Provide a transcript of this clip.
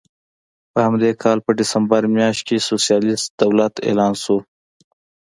په همدې کال په ډسمبر میاشت کې سوسیالېست دولت اعلان شو.